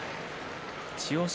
千代翔